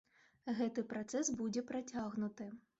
Гэты працэс будзе працягнуты.